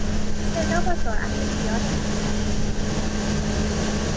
صدا با سرعت زیاد حرکت میکند.